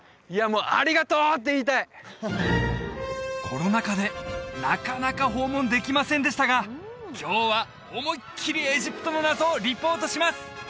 もうありがとうって言いたいコロナ禍でなかなか訪問できませんでしたが今日は思いっきりエジプトの謎をリポートします！